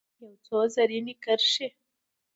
یو څو رزیني کرښې